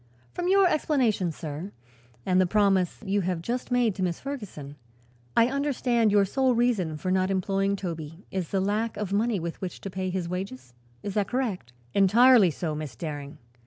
From your explanation, sir, and the promise you have just made to Miss Ferguson, I understand your sole reason for not employing Toby is the lack of money with which to pay his wages. Is that correct?" "Entirely so, Miss Daring.